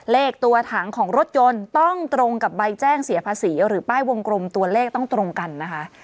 เลขตัวถังของรถยนต์ต้องตรงกับใบแจ้งเสียภาษีหรือป้ายวงกลมตัวเลขต้องตรงกันนะคะ